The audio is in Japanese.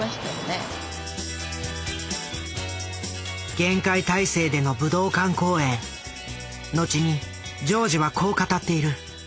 厳戒態勢での武道館公演後にジョージはこう語っている。